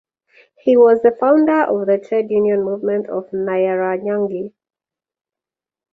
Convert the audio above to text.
He was the founder of the trade union movement of Narayanganj.